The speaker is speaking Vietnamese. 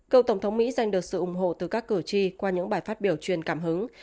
cựu tổng thống mỹ giành được sự ủng hộ từ các cử tri qua những bài phát biểu truyền cảm hứng